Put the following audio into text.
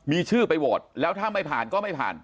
มีชื่อไปโหวตแล้วถ้าไม่ผ่านก็ไม่ผ่าน